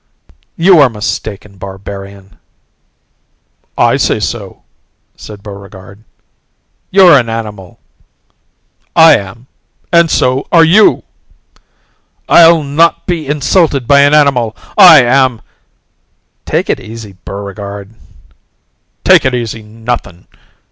"You are mistaken, barbarian." "I say so," said Buregarde. "You're an animal." "I am and so are you." "I'll not be insulted by an animal! I am " "Take it easy, Buregarde." "Take it easy nothing.